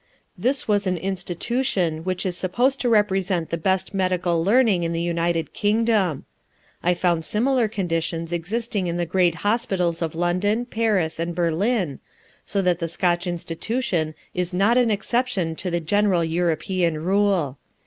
This was an institution which is supposed to represent the best medical learning in the United Kingdom. I found similar conditions existing in the great hospitals of London, Paris, and Berlin, so that the Scotch institution is not an exception to the general European rule.